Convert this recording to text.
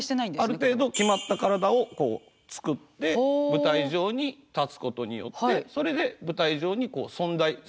ある程度決まった体をこう作って舞台上に立つことによってそれで舞台上に存在する登場人物と。